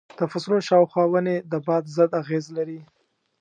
د فصلونو شاوخوا ونې د باد ضد اغېز لري.